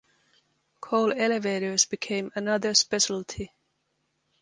Coal elevators became another specialty.